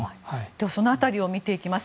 その辺りを見ていきます。